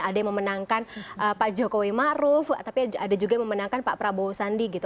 ada yang memenangkan pak jokowi maruf tapi ada juga yang memenangkan pak prabowo sandi gitu